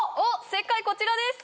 正解こちらです